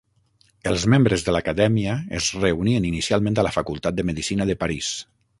Els membres de l'acadèmia es reunien inicialment a la Facultat de Medicina de París.